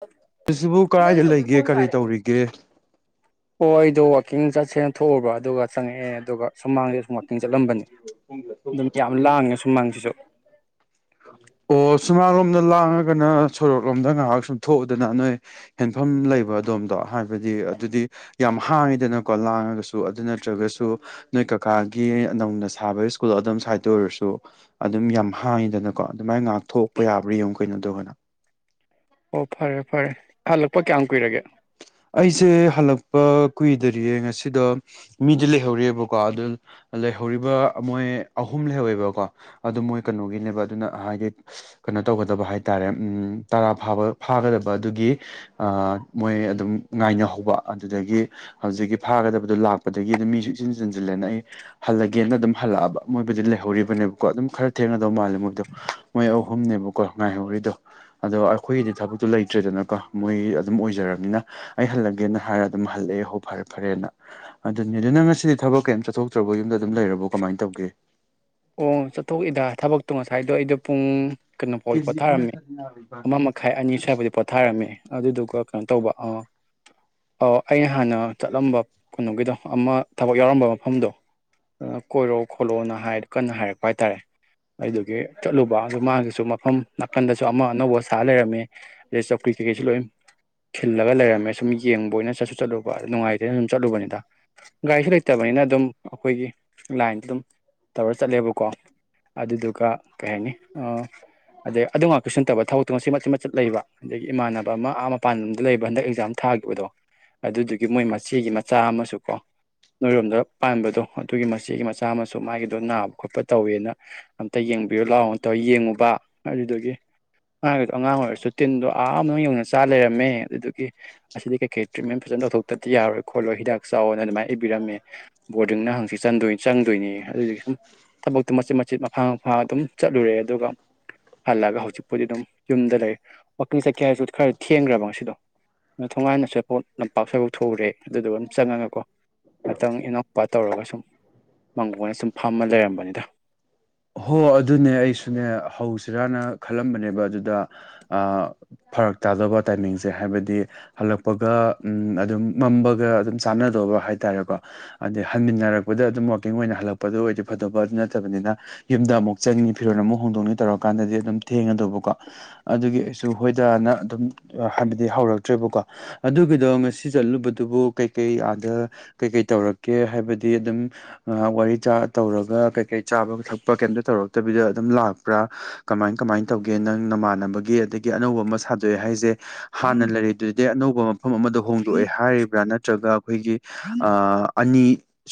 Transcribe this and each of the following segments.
[unintelligible] ꯁꯤꯕꯨ ꯀꯗꯥꯏꯗ ꯇꯀꯤꯡ ꯂꯩꯒꯦ ꯀꯔꯤ ꯇꯧꯔꯤꯒꯦ ꯆꯠꯁꯦꯅ ꯊꯣꯛꯎꯕ ꯑꯗꯨꯒ ꯆꯪꯉꯛꯑꯦ ꯑꯗꯨꯒ ꯁꯨꯃꯥꯡꯗ ꯁꯨꯝ ꯋꯥꯥꯛꯀꯤꯡ ꯆꯠꯂꯝꯕꯅꯤ ꯑꯗꯨꯝ ꯌꯥꯝ ꯂꯥꯡꯉꯦ ꯁꯨꯃꯥꯡꯁꯤꯁꯨ [inaudible] ꯑꯣ ꯁꯨꯃꯥꯡꯂꯣꯝꯗ ꯂꯥꯡꯉꯒꯅ ꯁꯣꯔꯣꯛꯂꯣꯝꯗ ꯉꯥꯏꯍꯥꯛ ꯁꯨꯝ ꯊꯣꯛꯎꯗꯅ ꯅꯣꯏ ꯍꯦꯟꯐꯝ ꯂꯩꯕ ꯑꯗꯣꯝꯗꯣ ꯍꯥꯏꯕꯗꯤ ꯑꯗꯨꯗꯤ ꯌꯥꯝ ꯍꯥꯡꯉꯤꯗꯅꯀꯣ ꯂꯥꯡꯉꯒꯁꯨ ꯑꯗꯨ ꯅꯠꯇ꯭ꯔꯒꯁꯨ ꯅꯣꯏ ꯀꯛ ꯀꯀꯥꯒꯤ ꯅꯧꯅ ꯁꯥꯕ ꯏꯁ꯭ꯀꯨꯜ ꯑꯗꯨꯝ ꯁ꯭ꯋꯥꯏꯗ ꯑꯣꯏꯔꯁꯨ ꯑꯗꯨꯝ ꯌꯥꯝ ꯍꯥꯡꯉꯤꯗꯅ ꯀꯣ ꯑꯗꯨꯃꯥꯏꯅ ꯉꯥꯛꯊꯣꯛꯄ ꯌꯥꯕ꯭ꯔꯥ ꯌꯦꯡꯉꯨ ꯀꯩꯅꯣ ꯑꯗꫭꯔꯒꯅ ꯑꯣ ꯐꯔꯦ ꯐꯔꯦ ꯍꯜꯂꯛꯄ ꯀꯌꯥꯝ ꯀꯨꯏꯔꯒꯦ ꯑꯩꯁꯦ ꯍꯜꯂꯛꯄ ꯀꯨꯏꯗꯔꯤꯌꯦ ꯉꯁꯤꯗ ꯃꯤꯗꯤ ꯂꯩꯍꯧꯔꯤꯑꯕꯀꯣ ꯑꯗꯨ ꯂꯩꯍ ꯑꯩꯅꯣ ꯍꯥꯏ ꯀꯩꯅ [unintelligible] ꯕ ꯍꯥꯏꯇꯥꯥꯔꯦ ꯎ ꯇꯔꯥꯥꯕ ꯐꯥꯒꯗꯕ ꯑꯗꯨꯒꯤ ꯃꯣꯏ ꯑꯗꯨꯝ ꯉꯥꯏꯅꯍꯧꯕ ꯑꯗꯨꯗꯒꯤ ꯍꯧꯖꯤꯛꯀꯤ ꯐꯥꯒꯗꯕꯗꯨ ꯂꯥꯛꯄꯗꯒꯤ ꯑꯗꯨꯝ ꯃꯤꯁꯨ ꯏꯛꯁꯤꯟ ꯆꯟꯁꯤꯜꯂꯦꯅ ꯑꯩ ꯍꯜꯂꯒꯦꯅ ꯑꯗꯨꯝ ꯍꯜꯂꯛꯑꯕ ꯃꯣꯏꯕꯨꯗꯤ ꯂꯩꯍꯧꯔꯤꯕꯅꯦꯕꯀꯣ ꯑꯗꯨꯝ ꯈꯔ ꯊꯦꯡꯅꯗꯧ ꯃꯥꯜꯂꯦ ꯃꯣꯏꯗꯣ ꯃꯣꯏ ꯑꯍꯨꯝꯅꯦꯕ ꯀꯣ ꯉꯥꯏꯍꯧꯔꯤꯗꯣ ꯑꯗꯣ ꯑꯩꯈꯣꯏꯒꯤꯗꯤ ꯊꯕꯛꯇꯣ ꯂꯩꯇ꯭ꯔꯦꯗꯅꯀꯣ ꯃꯣꯏ ꯑꯗꯨꯝ ꯑꯣꯏꯖꯔꯕꯅꯤꯅ ꯑꯩ ꯍꯜꯂꯒꯦꯅ ꯍꯥꯏꯔꯒ ꯑꯗꯨꯝ ꯍꯜꯂꯛꯑꯦ ꯍꯣ ꯐꯔꯦ ꯐꯔꯦꯅ ꯑꯗꯨꯅꯤ ꯑꯗꯨ ꯅꯪ ꯉꯁꯤꯗꯤ ꯊꯕꯛ ꯀꯔꯤꯝꯇ ꯆꯠꯊꯣꯛꯇ꯭ꯔꯕ ꯌꯨꯝꯗ ꯑꯗꯨꯝ ꯂꯩꯔꯕꯣ ꯀꯃꯥꯏꯅ ꯇꯧꯒꯦ ꯑꯣ ꯆꯠꯊꯣꯛꯏꯗ ꯊꯕꯛꯇꯣ ꯉꯁꯥꯏꯗꯣ ꯑꯩꯗꯣ ꯄꯨꯡ ꯀꯩꯅꯣꯐꯥꯎꯗꯤ ꯀꯦꯖꯤ ꯑꯃ ꯄꯣꯊꯥꯔꯝꯃꯤ ꯅꯠꯇ꯭ꯔꯗꯤ ꯌꯥꯔꯣꯏꯕ ꯑꯃ ꯃꯈꯥꯏ ꯑꯅꯤ ꯁ꯭ꯋꯥꯏꯕꯨꯗꯤ ꯄꯣꯊꯥꯔꯝꯃꯤ ꯑꯗꯨꯗꯨꯒ ꯀꯩꯅꯣ ꯇꯧꯕ ꯑꯥ ꯑꯣ ꯑꯩꯅ ꯍꯥꯟꯅ ꯆꯠꯂꯝꯕ ꯀꯩꯅꯣꯒꯤꯗꯣ ꯑꯃ ꯊꯕꯛ ꯌꯥꯎꯔꯝꯕ ꯃꯐꯝꯗꯣ ꯑꯗꯨ ꯀꯣꯏꯔꯣ ꯈꯣꯠꯂꯣꯅ ꯍꯥꯏꯔ ꯀꯟꯅ ꯍꯥꯏꯔꯛꯄ ꯍꯥꯏꯇꯥꯔꯦ ꯑꯗꯨꯒꯤ ꯆꯠꯂꯨꯕ ꯑꯗꯨ ꯃꯥꯒꯤꯁꯨ ꯃꯐꯝ ꯅꯥꯀꯟꯗꯁꯨ ꯑꯃ ꯑꯅꯧꯕ ꯁꯥ ꯂꯩꯔꯝꯃꯦ ꯑꯗꯩ ꯆꯧꯀ꯭ꯔꯤ ꯀꯩꯀꯩꯁꯨ ꯂꯣꯏ ꯈꯤꯜꯂꯒ ꯂꯩꯔꯝꯃꯦ ꯁꯨꯝ ꯌꯦꯡꯕ ꯑꯣꯏꯅ ꯆꯠꯁꯨ ꯆꯠꯂꯨꯕ ꯑꯗꯨꯝ ꯅꯨꯡꯉꯥꯏꯇꯦꯅ ꯁꯨꯝ ꯆꯠꯂꯨꯕꯅꯤꯗ ꯒꯥꯔꯤꯁꯨ ꯂꯩꯇꯕꯅꯤꯅ ꯑꯗꯨꯝ ꯑꯩꯈꯣꯏꯒꯤ ꯂꯥꯏꯟꯗ ꯑꯗꯨꯝ ꯇꯧꯔ ꯆꯠꯂꯦꯕꯀꯣ ꯑꯗꯨꯗꯨꯒ ꯀꯩ ꯍꯥꯏꯅꯤ ꯑꯗꯩ ꯑꯗꯨ ꯉꯥꯛꯇ ꯁꯟꯇꯕ ꯊ ꯇꯣꯆꯦ ꯃꯆꯦ ꯃꯠꯆꯠ ꯂꯩꯕ ꯑꯗꯒꯤ ꯏꯃꯥꯟꯅꯕ ꯑꯃ ꯑꯥ ꯃꯄꯥꯟ ꯂꯝꯝꯗ ꯂꯩꯕ ꯍꯟꯗꯛ ꯑꯦꯛꯖꯥꯝ ꯊꯥꯈꯤꯕꯗꯣ ꯑꯗꯨꯗꯨꯒꯤ ꯃꯣꯏ ꯃꯆꯦꯒꯤ ꯃꯆꯥ ꯑꯃꯁꯨꯀꯣ ꯅꯣꯏꯔꯣꯝꯗ ꯄꯥꯟꯕꯗꯣ ꯑꯗꯨꯒꯤ ꯃꯆꯦꯒꯤ ꯃꯆꯥ ꯆꯥꯝꯃꯁꯨ ꯃꯥꯒꯤ ꯆꯅꯥꯕ ꯈꯣꯠꯄ ꯇꯧꯋꯦꯅ ꯑꯝꯇ ꯌꯦꯡꯕꯤꯔꯣ ꯂꯥꯛꯑꯣ ꯇꯧ ꯌꯦꯡꯉꯨꯕ ꯑꯗꯨꯒꯤ ꯑꯥꯡꯗꯣ ꯑꯉꯥꯡ ꯑꯣꯏꯔꯁꯨ ꯇꯤꯟꯗꯣ ꯑꯥ ꯌꯧꯅ ꯆꯥ ꯂꯩꯔꯝꯃꯦ ꯑꯗꯨꯗꯨꯒꯤ ꯑꯁꯤꯗꯤ ꯀꯩꯀꯩ ꯇ꯭ꯔꯤꯠꯃꯦꯟ ꯐꯖꯅ ꯇꯧꯊꯣꯛꯇꯗꯤ ꯌꯥꯔꯣꯏ ꯈꯣꯠꯂꯣꯏ ꯍꯤꯗꯥꯛ ꯆꯥꯎꯋꯑꯣꯅ ꯑꯗꯨꯃꯥꯏꯅ ꯏꯕꯤꯝꯃꯦ ꯕꯣꯔꯗꯤꯡꯅ ꯍꯪꯆꯤ ꯆꯪꯗꯣꯏꯪ ꯑꯗꯨꯣꯏꯅꯦ ꯑꯗꯨꯒꯤ ꯃꯆꯤꯠ ꯃꯆꯦꯠ ꯃꯈꯥ ꯃꯥ ꯑꯗꯨꯝ ꯆꯠꯂꯨꯔꯦ ꯑꯗꯨꯒ ꯍꯜꯂꯒ ꯍꯧꯖꯤꯛꯄꯨꯗꯤ ꯑꯗꯨꯝ ꯌꯨꯝꯗ ꯂꯩ ꯋꯥꯀꯤꯜ ꯆꯀꯌꯥ ꯍꯥꯏꯁꯨ ꯈꯔ ꯊꯦꯡꯈ꯭ꯔꯦꯕ ꯉꯁꯤꯗꯣ ꯅ ꯊꯣꯉꯥꯏꯅꯁꯨꯦꯄꯣꯠ ꯂꯝꯄꯥꯛ ꯁꯐꯧ ꯊꯨꯔꯦ ꯑꯗꯨꯗꯨꯒ ꯑꯗꯨꯝ ꯆꯪꯉꯒꯀꯣ ꯉꯇꯪ ꯏꯅꯧꯄ ꯇꯧꯔꯒ ꯁꯨꯝ ꯃꯪꯒꯣꯟꯅ ꯁꯨꯝ ꯐꯥꯝꯃ ꯂꯩꯔꯝꯕꯅꯤꯗ ꯍꯣ ꯑꯗꯨꯅꯦ ꯑꯩꯁꯨꯅꯦ ꯍꯧꯁꯤꯔꯥꯅ ꯈꯜꯂꯝꯕꯅꯦꯕ ꯑꯗꯨꯗ ꯑ ꯐꯔꯛ ꯇꯥꯗꯕ ꯇꯥꯏꯃꯤꯡꯁꯦ ꯍꯥꯏꯕꯗꯤ ꯍꯜꯂꯛꯄꯒ ꯑꯗꯨꯝ ꯃꯝꯕꯒ ꯑꯗꯨꯝ ꯆꯥꯟꯅꯗꯕ ꯍꯥꯏ ꯍꯥꯏꯇꯥꯔꯦꯀꯣ ꯑꯗ ꯍꯟꯃꯤꯟꯅꯔꯛꯄꯗ ꯑꯗꯨꯝ ꯋꯥꯋꯥꯛꯀꯤꯡ ꯑꯣꯏꯅ ꯍꯜꯂꯛꯄꯗꯨ ꯑꯣꯏꯗꯤ ꯐꯗꯕ ꯑꯗꯨ ꯅꯠꯇꯕꯅꯤꯅ ꯌꯨꯝꯗ ꯑꯃꯨꯛ ꯆꯪꯉꯤ ꯐꯤꯔꯣꯜ ꯑꯃꯨꯛ ꯍꯣꯡꯗꯣꯛꯅꯤ ꯇꯧꯔꯀꯥꯟꯗꯗꯤ ꯑꯗꯨꯝ ꯊꯦꯡꯉꯗꯧꯕꯀꯣ ꯑꯗꯨꯒꯤ ꯑꯩꯁꯨ ꯍꯣꯏꯗ ꯍꯥꯏꯕꯗꯤ ꯍꯧꯔꯛꯇ꯭ꯔꯦꯣ ꯑꯗꯨꯒꯤꯗꯣ ꯉꯁꯤ ꯆꯠꯂꯨꯕꯗꯨꯕꯨ ꯀꯩ ꯀꯩ ꯑꯥ ꯀꯩ ꯀꯩ ꯇꯧꯔꯛꯀꯦ ꯍꯥꯏꯕꯗꯤ ꯑꯗꯨꯝ ꯋꯥꯔꯤ ꯇꯧꯔꯒ ꯀꯩꯀꯩ ꯆꯥꯕ ꯀꯩꯝꯇ ꯇꯧꯔꯛꯇꯕꯤꯗ ꯑꯗꯨꯝ ꯂꯥꯛꯄ꯭ꯔꯥ ꯀꯃꯥꯏ ꯀꯃꯥꯏꯅ ꯇꯧꯒꯦ ꯅꯪ ꯅꯃꯥꯟꯅꯕꯒꯤ ꯑꯗꯒꯤ ꯑꯅꯧꯕ ꯑꯃ ꯁꯥꯗꯣꯛꯑꯦ ꯍꯥꯏꯁꯦ ꯍꯥꯟꯅ ꯂꯩꯔꯤꯗꯨꯗꯤ ꯑꯅꯧꯕ ꯃꯐꯝ ꯑꯃꯗ ꯍꯣꯡꯗꯣꯛꯑꯦ ꯍꯥꯏꯔꯤꯕ꯭ꯔꯥ ꯅꯠꯇ꯭ꯔꯒ ꯑꯩꯈꯣꯏꯒꯤ ꯑꯅꯤ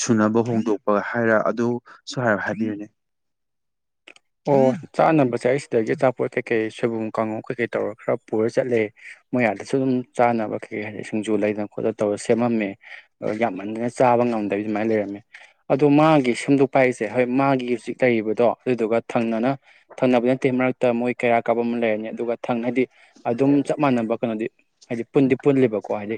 ꯁꯨꯅꯕ ꯍꯣꯡꯗꯣꯛꯄꯒ ꯍꯥꯏꯔ ꯑꯗꯨ ꯁ ꯍꯥꯏꯔ ꯍꯥꯏꯕꯤꯔꯅꯦ ꯑꯣ ꯆꯥꯅꯕꯁꯦ ꯑꯩ ꯁꯤꯗꯒꯤ ꯑꯆꯥꯄꯣꯠ ꯀꯩꯀꯩ ꯁꯣꯏꯕꯨꯝ ꯀꯥꯡꯉ ꯀꯩꯀꯩ ꯇꯧꯔ ꯈꯔ ꯄꯨꯔ ꯆꯠꯂꯦ ꯃꯌꯥꯗꯁꯨ ꯑꯗꯨꯝ ꯆꯥꯅꯕ ꯀꯩꯀꯩ ꯍꯥꯏꯗꯤ ꯁꯤꯡꯖꯨ ꯂꯩꯗꯅ ꯈꯣꯠꯇ ꯇꯧꯔꯒ ꯁꯦꯝꯃꯝꯃꯦ ꯌꯥꯝꯃꯟꯅ ꯆꯥꯕ ꯉꯝꯗꯕꯤ ꯑꯗꯨꯃꯥꯏꯅ ꯂꯩꯔꯝꯃꯦ ꯑꯗꯣ ꯃꯥꯒꯤ ꯁꯦꯝꯗꯣꯛ ꯄꯥꯏꯁꯦ ꯍꯣꯏ ꯃꯥꯒꯤ ꯍꯧꯖꯤꯛ ꯂꯩꯔꯤꯕꯗꯣ ꯑꯗꯨꯗꯨꯒ ꯊꯪꯅꯅ ꯊꯪꯅꯕ ꯅꯠꯇꯦ ꯃꯔꯛꯇ ꯃꯣꯏ ꯀꯩꯔꯥꯛ ꯀꯥꯞꯕ ꯑꯃ ꯂꯩꯔꯅꯤ ꯑꯗꯨꯒ ꯊꯪ ꯍꯥꯏꯗꯤ ꯑꯗꯨꯝ ꯆꯞ ꯃꯥꯟꯅꯕ ꯀꯩꯅꯣꯗꯤ ꯍꯥꯏꯗꯤ ꯄꯨꯟꯗꯤ ꯄꯨꯜꯂꯤꯦꯕꯀꯣ ꯍꯥꯏꯗꯤ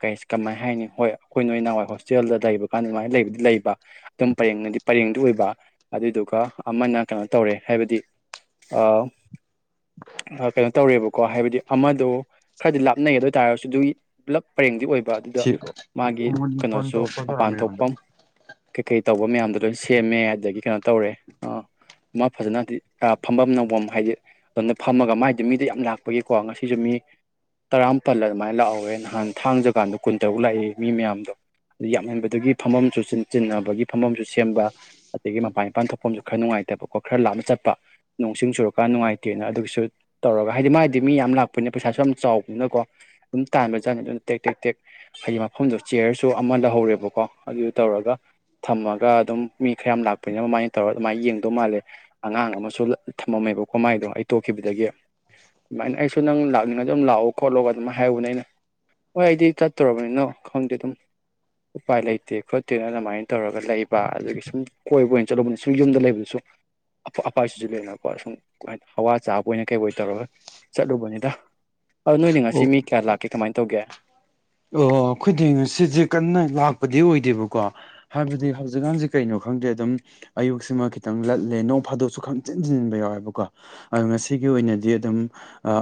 ꯀ ꯀꯃꯥꯏꯅ ꯍꯥꯏꯅꯤ ꯍꯣꯏ ꯑꯩꯈꯣꯏ ꯅꯣꯏ ꯅꯍꯋꯥꯏ ꯍꯣꯁꯇꯦꯜꯗ ꯂꯩꯕ ꯀꯥꯟꯗ ꯑꯗꯨꯃꯥꯏꯅ ꯂꯩꯕꯗꯤ ꯂꯩꯕ ꯑꯗꯨꯝ ꯄꯔꯦꯡ ꯅꯗꯤ ꯄꯔꯦꯡꯗꯨ ꯑꯣꯏꯕ ꯑꯗꯨꯗꯨꯒ ꯑꯃꯅ ꯀꯩꯅꯣ ꯇꯧꯔꯦ ꯍꯥꯏꯕꯗꯤ ꯀꯩꯅꯣ ꯇꯧꯔꯦꯕꯀꯣ ꯍꯥꯏꯕꯗꯤ ꯑꯃꯗꯣ ꯈꯔꯗꯤ ꯂꯥꯞꯅꯩꯒꯗ ꯑꯣꯏ ꯇꯥꯔꯒꯁꯨ ꯑꯗꯨꯒꯤ ꯄꯨꯂꯞ ꯄꯔꯦꯡꯗꯤ ꯑꯣꯏꯕ ꯑꯗꯨꯗ ꯁꯤ ꯃꯥꯒꯤ ꯎꯃꯣꯟꯒꯤ ꯐꯣꯟ ꯀꯩꯅꯣꯁꯨ ꯇꯧꯔꯛꯄ ꯇꯧꯔꯝꯃꯦ ꯃꯄꯥꯟ ꯑꯩꯉꯣꯟꯗ ꯊꯣꯛꯐꯝ ꯀꯩꯀꯩ ꯇꯧꯕ ꯃꯌꯥꯝꯗꯣ ꯂꯣꯏ ꯁꯦꯝꯃꯦ ꯑꯗꯒꯤ ꯀꯩꯅꯣ ꯇꯧꯔꯦ ꯑ ꯃꯥ ꯐꯖꯅ ꯍꯥꯏꯗꯤ ꯐꯝꯐꯝ ꯅꯝꯐꯝ ꯍꯥꯏꯗꯤ ꯑꯗꯨꯅ ꯐꯝꯃꯒ ꯃꯥꯥꯏꯗꯤ ꯃꯤꯗ ꯌꯥꯝ ꯂꯥꯛꯄꯒꯤꯀꯣ ꯉꯁꯤꯁꯨ ꯃꯤ ꯇꯔꯥꯃꯥꯄꯜ ꯑꯗꯨꯃꯥꯏꯅ ꯂꯥꯛꯍꯧꯋꯦ ꯅꯍꯥꯟ ꯊꯥꯡꯖꯀꯥꯟꯗ ꯀꯨꯟ ꯇꯔꯨꯛ ꯂꯥꯛꯏꯦ ꯃꯤ ꯃꯌꯥꯝꯗꯣ ꯑꯗꯨ ꯌꯥꯝꯃꯦꯟꯕꯗꯨꯒꯤ ꯐꯝꯃꯝꯁꯨ ꯆꯤꯟꯅꯕꯒꯤ ꯐꯝꯃꯝꯁꯨ ꯁꯦꯝꯕ ꯑꯗꯒꯤ ꯃꯄꯥꯟ ꯃꯄꯥꯟ ꯊꯣꯛꯐꯝꯁꯨ ꯈꯔ ꯅꯨꯡꯉꯥꯏꯇꯕꯀꯣ ꯈꯔ ꯂꯥꯞꯅ ꯆꯠꯄ ꯅꯣꯡꯁꯤꯡ ꯆꯨꯔꯀꯥꯟ ꯅꯨꯡꯉꯥꯏꯇꯦꯅ ꯑꯗꯨꯒꯤꯁꯨ ꯇꯧꯔꯒ ꯍꯥꯏꯗꯤ ꯃꯥꯒꯤꯗꯤ ꯃꯤ ꯌꯥꯝ ꯂꯥꯛꯄꯅꯤꯅ ꯄꯩꯁꯥꯁꯨ ꯌꯥꯝ ꯆꯥꯎꯕꯅꯤꯅꯀꯣ ꯑꯗꯨꯝ ꯇꯥꯟꯕꯖꯥꯠꯅꯤ ꯑꯗꯨꯅ ꯇꯦꯛ ꯇꯦꯛ ꯇꯦꯛ ꯍꯥꯏꯗꯤ ꯃꯐꯝꯗꯣ ꯆꯤꯌꯔꯁꯨ ꯑꯃ ꯂꯧꯍꯧꯔꯦꯕꯀꯣ ꯑꯗꯨ ꯇꯧꯔꯒ ꯊꯝꯃꯒ ꯑꯗꯨꯝ ꯃꯤ ꯈꯔꯌꯥꯝ ꯂꯥꯛꯄꯅꯤꯅ ꯑꯗꯨꯃꯥꯏꯅ ꯇꯧꯔꯒ ꯑꯗꯨꯃꯥꯏꯅ ꯌꯦꯡꯗꯧ ꯃꯥꯜꯂꯦ ꯑꯉꯥꯡ ꯑꯃꯁꯨ ꯊꯝꯃꯝꯃꯦꯕ ꯀꯣꯃꯥꯏꯗꯣ ꯑꯩ ꯇꯣꯛꯈꯤꯕꯗꯒꯤ ꯑꯗꯨꯃꯥꯏꯅ ꯑꯩꯁꯨ ꯅꯪ ꯂꯥꯛ ꯅ ꯑꯗꯨꯝ ꯂꯥꯛꯑꯣ ꯈꯣꯠꯂꯣꯒ ꯑꯗꯨꯝ ꯍꯥꯏꯍꯧꯕꯅꯦ ꯑꯩꯅ ꯍꯣꯏ ꯑꯩꯗꯤ ꯆꯠꯇꯨꯔꯕꯅꯤꯅꯣ ꯈꯪꯗꯦ ꯑꯗꯨꯝ ꯎꯄꯥꯏ ꯂꯩꯇꯦ ꯈꯣꯠꯇꯦꯅ ꯑꯗꯨꯃꯥꯏꯅ ꯇꯧꯔꯒ ꯂꯩꯕ ꯑꯗꯨꯗꯒꯤ ꯁꯨꯝ ꯀꯣꯏꯕ ꯑꯣꯏꯅ ꯆꯠꯂꯨꯕꯅꯤ ꯁꯨꯝ ꯌꯨꯝꯗ ꯂꯩꯕꯁꯨ ꯑ ꯑꯄꯥꯁꯤꯁꯨ ꯂꯩꯅꯀꯣ ꯁꯨꯝ ꯍꯋꯥ ꯆꯥꯕ ꯑꯣꯏꯅ ꯀꯩ ꯇꯧꯔꯒ ꯆꯠꯂꯨꯕꯅꯤꯅ ꯑ ꯅꯣꯏꯅꯦ ꯑꯣ ꯉꯁꯤ ꯃꯤ ꯀꯌꯥ ꯂꯥꯛꯀꯦ ꯀꯃꯥꯏꯅ ꯇꯧꯒꯦ ꯑꯣ ꯈꯨꯗꯤꯡ ꯁꯤꯁꯦ ꯀꯟꯅ ꯂꯥꯛꯄꯗꯤ ꯑꯣꯏꯗꯦꯕꯀꯣ ꯍꯥꯏꯕꯗꯤ ꯍꯧꯖꯤꯛꯀꯥꯟꯁꯦ ꯀꯩꯅꯣ ꯈꯪꯗꯦ ꯑꯗꯨꯝ ꯑꯌꯨꯛꯁꯤꯃ ꯈꯤꯇꯪ ꯂꯠꯂꯦ ꯅꯣꯡ ꯐꯥꯗꯣꯛꯁꯨ ꯈꯪꯆꯤꯟꯁꯤꯟꯟꯕ ꯌꯥꯎꯋꯦꯕꯀꯣ ꯑꯣ ꯉꯁꯤꯒꯤ ꯒꯤ ꯑꯣꯏꯅꯗꯤ ꯑꯗꯨꯝ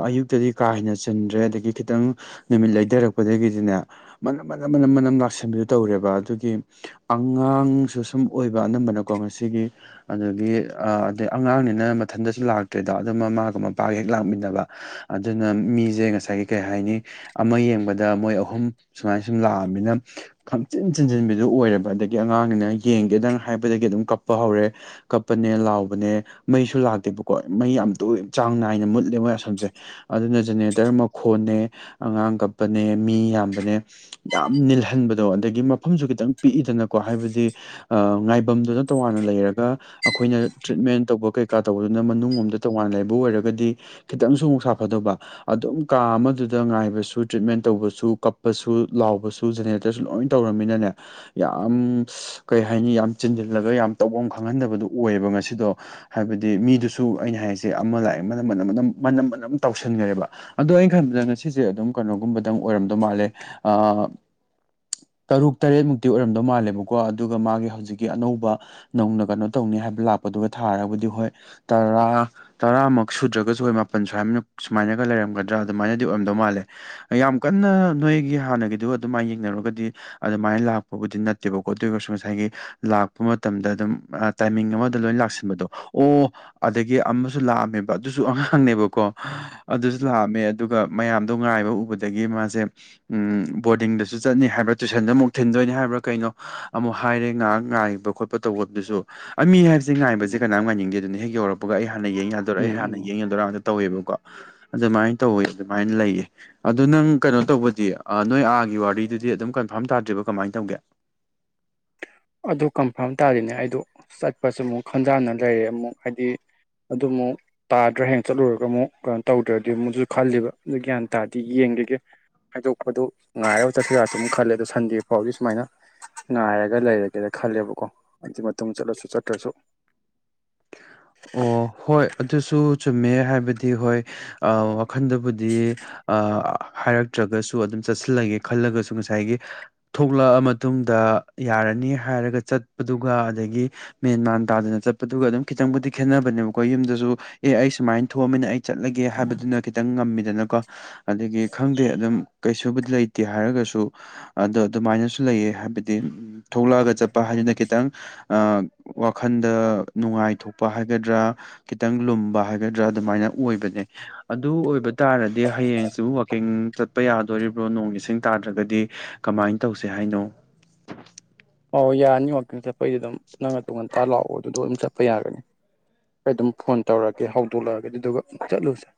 ꯑꯌꯨꯛꯇꯗꯤ ꯀꯥ ꯍꯦꯟꯅ ꯆꯟꯗ꯭ꯔꯦ ꯑꯗꯒꯤ ꯈꯤꯇꯪ ꯅꯨꯃꯤꯠ ꯂꯩꯊꯔꯛꯄ ꯗꯒꯤꯗꯤꯅꯦ ꯃꯅꯝ ꯃꯅꯝ ꯃꯅꯝ ꯃꯅꯝ ꯂꯥꯛꯁꯟꯕꯤꯗꯨ ꯇꯧꯔꯦꯕ ꯑꯗꯨꯒꯤ ꯑꯉꯥꯡꯁꯨ ꯁꯨꯝ ꯑꯣꯏꯕ ꯑꯅꯝꯕꯅꯀꯣ ꯉꯁꯤꯒꯤ ꯑꯗꯨꯒꯤ ꯑꯗꯩ ꯑꯉꯥꯡꯅꯤꯅ ꯃꯊꯟꯗꯁꯨ ꯂꯥꯛꯇ꯭ꯔꯦꯗ ꯑꯗꯨꯝ ꯃꯃꯥꯒꯥ ꯃꯄꯥꯒꯥ ꯍꯛ ꯂꯛꯃꯤꯟꯅꯕ ꯑꯗꯨꯅ ꯃꯤꯖꯦ ꯉꯥꯁꯥꯏꯒꯤ ꯀꯩ ꯍꯥꯌꯅꯤ ꯑꯃꯥ ꯌꯦꯡꯕꯗ ꯗ ꯃꯣꯏ ꯑꯍꯨꯝ ꯁꯨꯃꯥꯏ ꯁꯨꯝ ꯂꯥꯛꯑꯃꯤꯅ ꯈꯪꯆꯤꯟ ꯆꯤꯟꯖꯤꯟꯕꯤꯗꯨ ꯑꯣꯏꯔꯦꯕ ꯑꯗꯒꯤ ꯑꯉꯥꯡꯅꯤꯅ ꯌꯦꯡ ꯌꯦꯡꯒꯦꯗꯪ ꯍꯥꯏꯕꯗꯒꯤ ꯑꯗꯨꯝ ꯀꯞꯄ ꯍꯧꯔꯦ ꯀꯞꯄꯅꯦ ꯂꯥꯎꯕꯅꯦ ꯃꯩꯁꯨ ꯂꯥꯛꯇꯦꯕꯀꯣ ꯃꯩ ꯌꯥꯝ ꯇꯣꯏ ꯆꯥꯡ ꯅꯥꯏꯅ ꯃꯨꯠꯂꯦ ꯃꯣꯏ ꯑꯁꯝꯁꯦ ꯑꯗꯨꯅ ꯖꯦꯅꯦꯔꯦꯇꯔ ꯃꯈꯣꯟꯅꯦ ꯑꯉꯥꯡ ꯀꯞ ꯄꯅꯦ ꯃꯤ ꯌꯥꯝꯕꯅꯦ ꯌꯥꯝ ꯅꯤꯜꯍꯟꯕꯗꯣ ꯑꯗꯒꯤ ꯃꯐꯝꯁꯨ ꯈꯤꯇꯪ ꯄꯤꯛꯏꯗꯅꯀꯣ ꯍꯥꯏꯕꯗꯤ ꯑ ꯉꯥꯏꯐꯝꯗꯨꯅ ꯇꯣꯉꯥꯟꯅ ꯂꯩꯔꯒ ꯑꯩꯈꯣꯏꯅ ꯇ꯭ꯔꯤꯠꯃꯦꯟ ꯇꯧꯕ ꯀꯩꯀꯥ ꯇꯧꯕꯗꯨꯅ ꯃꯅꯨꯡꯔꯣꯝꯗ ꯇꯣꯉꯥꯟꯅ ꯂꯩꯕ ꯑꯣꯏꯔꯒꯗꯤ ꯈꯤꯇꯪꯁꯨ ꯑꯃꯨꯛ ꯁꯥꯐꯗꯧꯕ ꯑꯗꯨꯝ ꯀꯥ ꯑꯃꯗꯨꯗ ꯉꯥꯏꯕꯁꯨ ꯇ꯭ꯔꯤꯠꯃꯦꯟ ꯇꯧꯕꯁꯨ ꯀꯞꯄꯁꯨ ꯂꯥꯎꯕꯁꯨ ꯖꯦꯅꯦꯔꯦꯇꯔꯁꯨ ꯂꯣꯏ ꯇꯧꯔꯃꯤꯅꯅꯦ ꯌꯥꯝ ꯀꯩ ꯍꯥꯏꯅꯤ ꯌꯥꯝ ꯆꯤꯟꯁꯤꯜꯂꯒ ꯌꯥꯝ ꯇꯧꯐꯝ ꯈꯪꯍꯟꯗꯕꯗꯨ ꯑꯣꯏꯌꯦꯕ ꯉꯁꯤꯗꯣ ꯍꯥꯏꯕꯗꯤ ꯃꯤꯗꯨꯁꯨ ꯑꯩꯅ ꯍꯥꯏꯔꯤꯁꯦ ꯑꯃ ꯂꯥꯛꯑꯦ ꯃꯅ ꯃꯅꯝ ꯃꯅꯝ ꯃꯅꯝ ꯃꯅꯝ ꯇꯧꯁꯤꯟꯈ꯭ꯔꯦꯕ ꯑꯗꯣ ꯑꯩꯅ ꯈꯟꯕꯗ ꯉꯁꯤꯁꯦ ꯑꯗꯨꯝ ꯀꯩꯅꯣꯒꯨꯝꯕꯗꯪ ꯑꯣꯏꯔꯝꯗꯧ ꯃꯥꯜꯂꯦ ꯑ ꯇꯔꯨꯛ ꯇꯔꯦꯠ ꯃꯨꯛꯇꯤ ꯑꯣꯏꯔꯝꯗꯧ ꯃꯥꯜꯂꯦꯕꯀꯣ ꯑꯗꯨꯒ ꯃꯥꯒꯤ ꯍꯧꯖꯤꯛꯀꯤ ꯑꯅꯧꯕ ꯅꯧꯅ ꯀꯩꯅꯣ ꯇꯧꯅꯤ ꯍꯥꯌꯕ ꯂꯥꯛꯄꯗꯨꯒ ꯊꯥꯔꯒꯗꯤ ꯍꯣꯌ ꯇꯔꯥ ꯇꯔꯥꯃꯛ ꯁꯨꯗꯔꯥꯒꯥꯁꯨ ꯍꯣꯌ ꯃꯄꯟ ꯁꯋ꯭ꯥꯏꯝ ꯅ ꯁꯨꯃꯥꯏꯅꯒ ꯂꯩꯔꯝꯒꯗ꯭ꯔꯥ ꯑꯗꯨꯃꯥꯏꯅꯗꯤ ꯑꯣꯏꯔꯝꯗꯧ ꯃꯥꯜꯂꯦ ꯌꯥꯝ ꯀꯟꯅ ꯅꯣꯏꯒꯤ ꯍꯥꯟꯅꯒꯤꯗꯨ ꯑꯗꯨꯃꯥꯏꯅ ꯌꯦꯡꯅꯔꯨꯔꯒꯗꯤ ꯑꯗꯨꯃꯥꯏꯅ ꯂꯥꯛꯄꯕꯨꯗꯤ ꯅꯠꯇꯦꯕꯀꯣ ꯑꯗꯨ ꯑꯣꯏꯔꯒꯁꯨ ꯉꯁꯥꯏꯒꯤ ꯂꯥꯛꯄ ꯃꯇꯝꯗ ꯑꯗꯨꯝ ꯇꯥꯏꯃꯤꯡ ꯑꯃꯗ ꯂꯣꯏ ꯂꯥꯛꯁꯤꯟꯕꯗꯣ ꯑꯣ ꯑꯗꯒꯤ ꯑꯃꯁꯨ ꯂꯥꯛꯑꯝꯃꯦꯕ ꯑꯗꯨꯁꯨ ꯑꯉꯥꯡꯅꯦꯕꯀꯣ ꯑꯗꯨꯁꯨ ꯂꯥꯛꯑꯝꯃꯦ ꯑꯗꯨꯒ ꯃꯌꯥꯝ ꯑꯗꯣ ꯉꯥꯏꯕ ꯎꯕꯗꯒꯤ ꯃꯥꯁꯦ ꯕꯣꯔꯗꯤꯡꯗꯁꯨ ꯆꯠꯅꯤ ꯍꯥꯏꯕ꯭ꯔꯥ ꯇꯨꯏꯁꯟꯗ ꯑꯃꯨꯛ ꯊꯤꯟꯗꯣꯏꯅꯤ ꯍꯥꯏꯕ꯭ꯔꯥ ꯀꯩꯅꯣ ꯑꯃꯨꯛ ꯍꯥꯏꯔꯦ ꯉꯥꯏꯍꯥꯛ ꯉꯥꯏꯕ ꯈꯣꯠꯄ ꯇꯧꯕꯗꯨꯁꯨ ꯑ ꯃꯤ ꯍꯥꯏ ꯁꯤ ꯉꯥꯏꯕꯁꯤ ꯎꯝ ꯀꯅꯥꯝ ꯉꯥꯏꯅꯤꯡꯗꯦꯗꯅ ꯍꯦꯛ ꯌꯧꯔꯛꯄ ꯑꯩ ꯍꯥꯟꯅ ꯌꯦꯡ ꯌꯥꯗꯣꯔ ꯑꯩ ꯍꯥꯟꯅ ꯎꯝ ꯌꯦꯡ ꯌꯗꯣꯔ ꯇꯧꯋꯦꯕꯀꯣ ꯑꯗꯨꯃꯥꯏꯅ ꯇꯧꯋꯤ ꯑꯗꯨꯃꯥꯏꯅ ꯂꯩꯌꯦ ꯑꯗꯨ ꯅꯪ ꯀꯩꯅꯣ ꯇꯧꯕꯗꯤ ꯅꯣꯏ ꯑꯥꯒꯤ ꯋꯥꯔꯤꯗꯨꯗꯤ ꯑꯗꯨꯝ ꯀꯟꯐꯥꯔꯝ ꯇꯥꯗ꯭ꯔꯤꯕ ꯀꯃꯥꯏ ꯇꯧꯒꯦ [inaudible] ꯑꯗꯨ ꯀꯟꯐꯥꯔꯝ ꯇꯥꯔꯤꯅꯦ ꯍꯥꯏꯗꯨ ꯆꯠꯄꯁꯤ ꯑꯃꯨꯛ ꯈꯟꯖꯥꯟꯅ ꯂꯩꯔꯦ ꯑꯃꯨꯛ ꯍꯥꯏꯗꯤ ꯑꯗꯨ ꯑꯃꯨꯛ ꯇꯥꯗ꯭ꯔ ꯍꯌꯦꯡ ꯆꯠꯂꯨꯔꯒ ꯑꯃꯨꯛ ꯀꯩꯅꯣ ꯇꯧꯗ꯭ꯔꯗꯤ ꯑꯃꯨꯛꯁꯨ ꯈꯜꯂꯤꯕ ꯑꯗꯨ ꯒ꯭ꯌꯥꯟ ꯇꯥꯗꯦ ꯌꯦꯡ ꯌꯦꯡꯒꯤꯒꯦ [unintelligible] ꯍꯥꯏꯗꯣꯛꯄꯗꯨ ꯉꯥꯏꯔꯒ ꯆꯠꯄ ꯌꯥꯁꯨ ꯑꯗꯨ ꯈꯜꯂꯦ ꯑꯗꯣ ꯁꯟꯗꯦ ꯐꯥꯎꯗꯤ ꯁꯨꯃꯥꯏꯅ ꯉꯥꯏꯔꯒ ꯂꯩꯔꯒꯦ ꯀꯩꯗ ꯈꯜꯂꯦꯕꯀꯣ ꯑꯗꯨꯏ ꯃꯇꯨꯡ ꯆꯠꯂꯁꯨ ꯆꯠꯇ꯭ꯔꯁꯨ ꯑꯣ ꯍꯣꯏ ꯑꯗꯨꯁꯨ ꯆꯨꯝꯃꯦ ꯍꯥꯏꯕꯗꯤ ꯍꯣꯏ ꯋꯥꯈꯟꯗꯕꯨꯗꯤ ꯑꯩ ꯍꯥꯏꯔꯛꯇ꯭ꯔꯒꯁꯨ ꯑꯗꯨꯝ ꯆꯠꯁꯤꯜꯂꯒꯦ ꯈꯜꯂꯒꯁꯨ ꯉꯁꯥꯏꯒꯤ ꯊꯣꯛꯂꯛꯑ ꯃꯇꯨꯡꯗ ꯑꯩ ꯌꯥꯔꯅꯤ ꯍꯥꯏꯔꯒ ꯆꯠꯄꯗꯨꯒ ꯃꯦꯟꯃꯥꯟ ꯇꯥꯗꯅ ꯆꯠꯄꯗꯨꯒ ꯑꯗꯨꯝ ꯈꯤꯇꯪꯕꯨꯗꯤ ꯈꯦꯠꯅꯕꯅꯦꯕꯀꯣ ꯌꯨꯝꯗꯁꯨ ꯑꯦ ꯑꯩ ꯁꯨꯃꯥꯏꯟ ꯊꯣꯑꯝꯃꯤꯅ ꯑꯩ ꯆꯠꯂꯒꯦ ꯍꯥꯏꯕꯗꯨꯅ ꯈꯤꯇꯪ ꯉꯝꯃꯤꯗꯅꯕ ꯀꯑꯣ ꯑꯗꯒꯤ ꯈꯪꯗꯦ ꯑꯗꯨꯝ ꯀꯩꯁꯨꯕꯨꯗꯤ ꯂꯩꯇꯦ ꯍꯥꯏꯔꯒꯁꯨ ꯑꯗꯣ ꯑꯗꯨꯃꯥꯏꯅꯁꯨ ꯂꯩꯌꯦ ꯍꯥꯏꯕꯗꯤ ꯊꯣꯛꯂꯛꯑꯒ ꯆꯠꯄ ꯍꯥꯏꯗꯨꯅ ꯈꯤꯇꯪ ꯋꯥꯈꯜꯗ ꯅꯨꯡꯉꯥꯏꯊꯣꯛ ꯄ ꯍꯥꯏꯒꯗ꯭ꯔꯥ ꯈꯤꯇꯪ ꯂꯨꯝꯕ ꯍꯥꯏꯒꯗ꯭ꯔꯥ ꯑꯗꯨꯃꯥꯏꯅ ꯑꯣꯏꯕꯅꯦ ꯑꯗꯨ ꯑꯣꯏꯕ ꯇꯥꯔꯗꯤ ꯍꯌꯦꯡꯁꯨ ꯋꯥꯛꯀꯤꯡ ꯆꯠꯄ ꯌꯥꯗꯣꯔꯤꯕ꯭ꯔꯣ ꯅꯣꯡ ꯂꯤꯁꯤꯡ ꯇꯥꯗ꯭ꯔꯒꯗꯤ ꯀꯃꯥꯏꯅ ꯇꯧꯁꯦ ꯍꯥꯏꯅꯣ ꯑꯣ ꯌꯥꯅꯤ ꯋꯥꯛꯀꯤꯡ ꯆꯠꯄꯩꯗꯤ ꯑꯗꯨꯝ ꯅꯪ ꯑꯗꯨꯝ ꯉꯥꯟꯇꯥ ꯂꯥꯛꯑꯣ ꯑꯗꯨꯗ ꯑꯗꯨꯝ ꯆꯠ ꯆꯠꯄ ꯌꯥꯒꯅꯤ ꯑꯩ ꯑꯗꯨꯝ ꯐꯣꯟ ꯇꯧꯔꯛꯑꯒꯦ ꯍꯧꯗꯣꯛꯂꯛꯑꯒꯦ ꯑꯗꯨꯏꯗꯨꯒ ꯆꯠꯂꯨꯁꯦ [inaudible]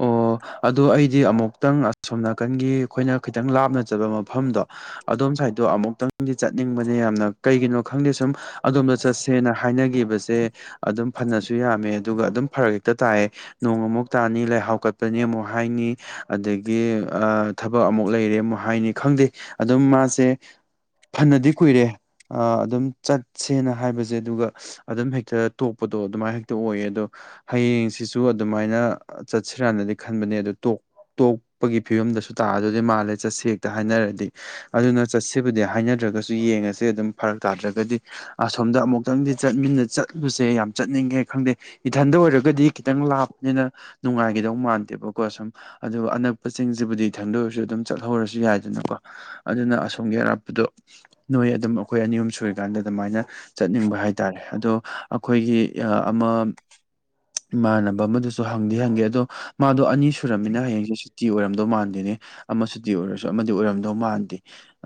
ꯑꯣ ꯑꯗꯣ ꯑꯩꯗꯤ ꯑꯃꯨꯛꯇꯪ ꯑꯁꯣꯝ ꯅꯥꯀꯟꯒꯤ ꯑꯩꯈꯣꯏꯅ ꯈꯤꯇꯪ ꯂꯥꯞꯅ ꯆꯠꯄ ꯃꯐꯝꯗꯣ ꯑꯗꯨꯝ ꯁꯥꯏꯠꯇꯣ ꯑꯃꯨꯛꯇꯪꯗꯤ ꯆꯠꯅꯤꯡꯕꯅꯦ ꯌꯥꯝꯅ ꯀꯩꯒꯤꯅꯣ ꯈꯪꯗꯦ ꯁꯨꯝ ꯑꯗꯣꯝꯗ ꯆꯠꯁꯦꯅ ꯍꯥꯏꯅꯒꯤꯕꯁꯦ ꯑꯗꯨꯝ ꯐꯅꯁꯨ ꯌꯥꯝꯃꯦ ꯑꯗꯨꯒ ꯑꯗꯨꯝ ꯐꯔꯛ ꯍꯦꯛꯇ ꯇꯥꯏ ꯅꯣꯡ ꯑꯃꯨꯛ ꯇꯥꯅꯤ ꯂꯩ ꯍꯥꯎꯀꯠꯄꯅꯦ ꯑꯃꯨꯛ ꯍꯥꯏꯅꯤ ꯑꯗꯒꯤ ꯑ ꯊꯕꯛ ꯑꯃꯨꯛ ꯂꯩꯔꯦ ꯑꯃꯨꯛ ꯍꯥꯏꯅꯤ ꯈꯪꯗꯦ ꯑꯗꯨꯝ ꯃꯥꯁꯦ ꯐꯅꯗꯤ ꯀꯨꯏꯔꯦ ꯑꯗꯨꯝ ꯆꯠꯁꯦꯅ ꯍꯥꯏꯕꯁꯦ ꯑꯗꯨꯒ ꯑꯗꯨꯝ ꯍꯦꯛꯇ ꯇꯣꯛꯄ ꯑꯗꯣ ꯑꯗꯨꯃꯥꯏ ꯍꯦꯛꯇ ꯑꯣꯏꯌꯦ ꯑꯗꯣ ꯍꯌꯦꯡꯁꯤꯁꯨ ꯑꯗꯨꯃꯥꯏꯅ ꯆꯠꯁꯤꯔꯅꯗꯤ ꯈꯟꯕꯅꯦ ꯑꯗꯨ ꯇꯣꯛ ꯇꯣꯛꯄꯒꯤ ꯐꯤꯕꯝꯗꯁꯨ ꯇꯥꯗꯣꯗꯤ ꯃꯥꯜꯂꯦ ꯆꯠꯁꯤ ꯍꯦꯛꯇ ꯍꯥꯏꯅꯔꯗꯤ ꯑꯗꯨꯅ ꯆꯠꯁꯤꯕꯨꯗꯤ ꯍꯥꯏꯅꯗ꯭ꯔ ꯭ꯔ ꯌꯦꯡꯉꯁꯦ ꯑꯗꯨꯝ ꯐꯔꯛ ꯇꯥꯗ꯭ꯔꯒꯗꯤ ꯑꯁꯣꯝꯗ ꯑꯃꯨꯛꯇꯪꯗꯤ ꯆꯠꯃꯤꯟꯅ ꯆꯠꯂꯨꯁꯦ ꯌꯥꯝ ꯆꯠꯅꯤꯡ ꯈꯪꯗꯦ ꯏꯊꯟꯗ ꯑꯣꯏꯔꯒꯗꯤ ꯈꯤꯇꯪ ꯂꯥꯞꯄꯅꯤꯅ ꯅꯨꯡꯉꯥꯏꯈꯤꯗꯧ ꯃꯥꯟꯗꯦꯕꯀꯣ ꯁꯨꯝ ꯑꯗꯨꯒ ꯑꯅꯛꯄꯁꯤꯡꯁꯤꯕꯨꯗꯤ ꯈꯪꯗꯣꯏꯔꯁꯨ ꯑꯗꯨꯝ ꯆꯠꯍꯧꯔꯁꯨ ꯌꯥꯏꯗꯅꯀꯣ ꯑꯗꯨꯅ ꯑꯁꯣꯝꯒꯤ ꯑꯔꯥꯞꯄꯗꯣ ꯅꯣꯏ ꯑꯗꯨꯝ ꯑꯩꯈꯣꯏ ꯑꯅꯤ ꯑꯍꯨꯝ ꯁꯨꯔꯤꯀꯥꯟꯗ ꯑꯗꯨꯃꯥꯏꯅ ꯆꯠꯅꯤꯡꯕ ꯍꯥꯏ ꯍꯥꯏꯇꯥꯔꯦ ꯑꯣ ꯑꯩꯈꯣꯏꯒꯤ ꯏꯃꯥꯟꯅꯕ ꯑꯃ ꯍꯪꯗꯤꯦ ꯍꯪꯒꯦ ꯑꯗꯣ ꯃꯥꯗꯣ ꯑꯅꯤ ꯁꯨꯔꯝꯃꯤꯅ ꯍꯌꯦꯡꯁꯦ ꯁꯨꯇꯤ ꯑꯣꯏꯔꯝꯗꯧ ꯃꯥꯟꯗꯦꯅꯦ ꯑꯃ ꯁꯨꯇꯤ ꯑꯣꯏꯔꯁꯨ ꯑꯃꯗꯤ ꯑꯣꯏꯔꯝꯗꯧ ꯃꯥꯟꯗꯦ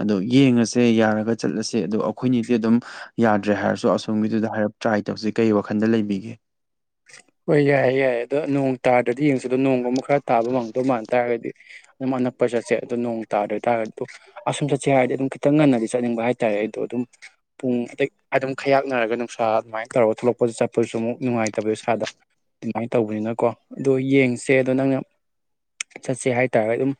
ꯑꯣ ꯌꯦꯁꯦ ꯌꯥꯔ ꯆꯠꯂꯁꯦ ꯑ ꯑꯩꯈꯣꯏꯗꯤ ꯑꯗꯨꯝ ꯌꯥꯗ꯭ꯔꯦ ꯍꯥꯏ ꯍꯥꯏꯔꯁꯨ ꯑꯁꯣꯝꯒꯤꯗꯨꯗ ꯍꯥꯏ ꯇ꯭ꯔꯥꯏ ꯇꯧꯁꯤ ꯀꯩ ꯋꯥꯈꯟꯗ ꯂꯩꯕꯤꯒꯦ ꯍꯣꯏ ꯌꯥꯏꯌꯦꯦ ꯌꯥꯏꯌꯦꯦ ꯑꯗꯣ ꯅꯣꯡ ꯇꯥꯗ꯭ꯔꯗꯤ ꯌꯦꯡꯁꯤꯗꯣ ꯅꯣꯡꯒꯨꯝꯕ ꯈꯔ ꯇꯥꯕ ꯃꯪꯗꯧ ꯃꯥꯟ ꯇꯥꯔꯒꯗꯤ ꯑꯗꯨꯝ ꯑꯅꯛꯄ ꯆꯠꯁꯦ ꯑꯗꯨꯣ ꯅꯣꯡ ꯇꯥꯗꯣꯏ ꯍꯥꯏꯇꯥꯥꯔꯒꯗꯤ ꯑꯗꯨ ꯑꯁꯨꯝ ꯆꯠꯁꯦ ꯍꯥꯏꯔꯗꯤ ꯑꯗꯨꯝ ꯈꯤꯇꯪ ꯉꯟꯅꯗꯤ ꯆꯠꯅꯤꯡꯕ ꯍꯥꯏꯇꯥꯔꯦ ꯑꯩꯗꯣ ꯑꯗꯨꯝ ꯄꯨꯡ ꯑꯗꯩ ꯑꯗꯨꯝ ꯈꯌꯥꯛꯅꯔꯒ ꯅꯨꯡꯁꯥ ꯑꯗꯨꯃꯥꯏꯅ ꯇꯧꯔꯒ ꯊꯣꯛꯂꯛꯄꯗ ꯆꯠꯄꯁꯨ ꯑꯃꯨꯛ ꯅꯨꯡꯉꯥꯏ ꯇꯕꯣ ꯏꯁꯥꯗ ꯑꯗꯨꯃꯥꯏꯅ ꯇꯧꯕꯅꯤꯅꯀꯣ ꯑꯗꯣ ꯌꯦꯡꯁꯦ ꯑꯗꯣ ꯅꯪꯅ ꯆꯠꯁꯦ ꯍꯥꯏꯇꯥꯔꯦ ꯑꯗꯨꯝ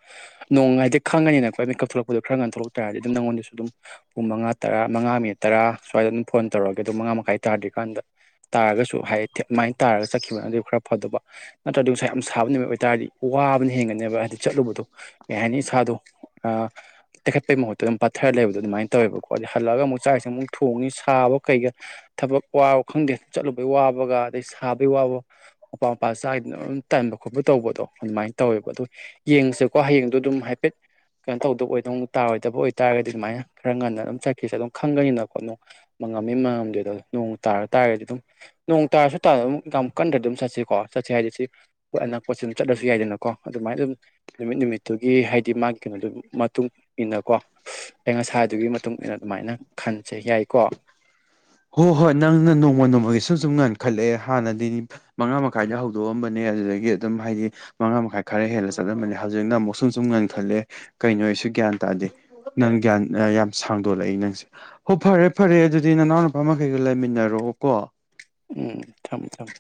ꯅꯣꯡꯃ ꯍꯥꯏꯗꯤ ꯈꯪꯉꯅꯤꯅ ꯑꯩꯣꯏ ꯀꯞꯊꯂꯛꯄꯗꯣ ꯈꯔ ꯉ ꯊꯣꯛꯂꯛ ꯇꯥꯔꯒꯗꯤ ꯑꯗꯨꯝ ꯅꯪꯉꯣꯟꯗꯁꯨ ꯑꯗꯨꯝ ꯄꯨꯡ ꯃꯉꯥ ꯇꯔꯥ ꯃꯉꯥ ꯃꯤꯅꯤꯠ ꯇꯔꯥ ꯁ꯭ꯋꯥꯏꯗ ꯑꯗꯨꯝ ꯐꯣꯟ ꯇꯧꯔꯛꯑꯒꯦ ꯑꯗꯨꯣ ꯃꯉꯥ ꯃꯈꯥꯏ ꯇꯥꯗ꯭ꯔꯤꯀꯥꯟꯗ ꯇꯥꯔꯒꯁꯨ ꯍꯥꯏꯌꯦꯠꯇꯦ ꯁꯨꯃꯥꯏꯅ ꯇꯥꯔꯒ ꯆꯠꯈꯤꯕꯅ ꯑꯗꯨ ꯈꯔ ꯐꯗꯕ ꯅꯠꯇ꯭ꯔꯗꯤ ꯉꯁꯥꯏ ꯌꯥꯝ ꯁꯥꯕ ꯅꯨꯃꯤꯠ ꯑꯣꯏꯇꯥꯥꯔꯗꯤ ꯋꯥꯕꯅ ꯍꯦꯟꯒꯅꯦꯕ ꯍꯥꯏꯗꯤ ꯆꯠꯂꯨꯕꯗꯣ ꯀꯩ ꯍꯥꯏꯅꯤ ꯏꯁꯥꯗꯣ ꯇꯩꯈꯠꯄꯒꯤ ꯃꯍꯨꯠꯇ ꯑꯗꯨꯝ ꯄꯠꯊꯔ ꯂꯩꯕꯗꯣ ꯑꯗꯨꯃꯥꯏꯅ ꯇꯧꯋꯦꯕꯀꯣ ꯑꯗ ꯍꯜꯂꯛꯑꯒ ꯑꯃꯨꯛ ꯆꯥꯛꯁꯦ ꯑꯃꯨꯛ ꯊꯣꯡꯉꯤ ꯁꯥꯕ ꯀꯩꯒ ꯊꯕꯛ ꯋꯥꯕ ꯈꯪꯗꯦ ꯆꯠꯂꯨꯕꯩ ꯋꯥꯕꯒ ꯑꯗꯩ ꯁꯥꯕꯒꯤ ꯋꯥꯕ ꯃꯄꯥ ꯃꯄꯥ ꯆꯥꯗꯅ ꯑꯗꯨꯝ ꯇꯟꯥꯟꯕ ꯈꯣꯠꯄ ꯇꯧꯕꯗꯣ ꯑꯗꯨꯃꯥꯏꯅ ꯇꯧꯋꯦꯕ ꯑ ꯍꯌꯦꯡꯁꯦꯀꯣ ꯍꯌꯦꯡꯗꯣ ꯑꯗꯨꯝ ꯍꯥꯏꯐꯦꯠ ꯀꯩꯅꯣ ꯇꯧꯗꯕ ꯑꯣꯏꯗ ꯇꯥꯔꯣꯏꯗꯕ ꯑꯣꯏꯕꯇꯥꯥꯔꯒꯗꯤ ꯑꯗꯨꯃꯥꯏꯅ ꯈꯔ ꯉꯟꯅ ꯑꯗꯨꯝ ꯆꯠꯈꯤꯁꯦ ꯑꯗꯨꯝ ꯈꯪꯒꯅꯤꯅ ꯈꯣꯠꯅꯅꯨꯡ ꯉꯝꯃꯤ ꯃꯉꯝꯗꯦꯗ ꯅꯣꯡ ꯇꯥꯔ ꯇꯥꯔꯒꯗꯤ ꯑꯗꯨꯝ ꯅꯣꯡ ꯇꯥꯔꯁꯨ ꯍꯞꯇꯥꯗ ꯑꯗꯨ ꯌꯥꯝ ꯀꯟꯗ꯭ꯔ ꯑꯗꯨꯝ ꯆꯠꯁꯤꯀꯣ ꯆꯠꯁꯦ ꯍꯥꯏꯗꯤ ꯁꯤꯣꯏ ꯑꯅꯛꯄꯁꯤ ꯑꯗꯨꯝ ꯆꯠꯂꯁꯨ ꯌꯥꯏꯗꯅꯀꯣ ꯑꯗꯨꯃꯥꯏꯅ ꯑꯗꯨꯝ ꯅꯨꯃꯤꯠ ꯅꯨꯃꯤꯠꯇꯨꯒꯤ ꯍꯥꯏꯗꯤ ꯃꯥꯒꯤ ꯀꯩꯅꯣꯗꯨꯒꯤ ꯃꯇꯨꯡ ꯏꯟꯅꯀꯣ ꯑ ꯉꯁꯥꯗꯨꯒꯤ ꯃꯇꯨꯡ ꯏꯟꯅ ꯑꯗꯨꯃꯥꯏꯅ ꯈꯟꯁꯦ ꯌꯥꯏꯀꯣ ꯍꯣꯏ ꯍꯣꯏ ꯅꯪꯅ ꯅꯣꯡꯃ ꯅꯣꯡꯃꯒꯤ ꯁꯨꯝ ꯁꯨꯝ ꯉꯟꯈꯠꯂꯛꯑꯦ ꯍꯥꯟꯅꯗꯤ ꯃꯉꯥ ꯃꯈꯥꯏꯗ ꯍꯧꯗꯣꯛꯑꯝꯕꯅꯦ ꯑꯗꯨꯗꯒꯤ ꯑꯗꯨꯝ ꯍꯥꯏꯗꯤ ꯃꯉꯥ ꯃꯈꯥꯏ ꯈꯔ ꯍꯦꯜꯂ ꯆꯠꯂꯝꯕꯅꯤ ꯍꯧꯖꯤꯛꯅ ꯑꯃꯨꯛ ꯁꯨꯝ ꯁꯨꯝ ꯉꯟꯈꯠꯂꯦ ꯀꯩꯅꯣ ꯒ꯭ꯌꯥꯟ ꯇꯥꯔꯦ ꯅ ꯒ꯭ꯌꯥ ꯌꯥꯝ ꯁꯥꯡꯗꯣꯂꯛꯏ ꯅꯪꯁꯦ ꯍꯣꯏ ꯐꯔꯦ ꯐꯔꯦ ꯑꯗꯨꯗꯤ ꯅꯪꯅꯥꯎ ꯈꯣꯏ ꯃꯈꯩꯒ ꯂꯩꯃꯤꯟꯅꯔꯛꯑꯣꯀꯣ ꯎꯝ ꯊꯝꯃꯦ ꯊꯝꯃꯦ